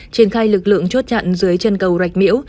triển khai lực lượng chốt chặn dưới chân cầu rạch miễu